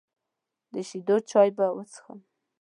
د شیدو چای به وڅښم.